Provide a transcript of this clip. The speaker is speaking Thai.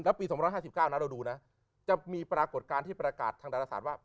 แล้วปี๒๕๙นะเราดูนะจะมีปรากฏการณ์ที่ประกาศทางดาราศาสตร์ว่า